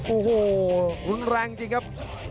โอ้โหรุนแรงจริงครับ